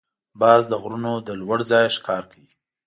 باز د غرونو له لوړ ځایه ښکار کوي